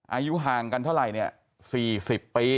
อายุห่างกันเท่าไรเนี่ยสี่สิบปี